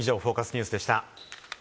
ニュースでした。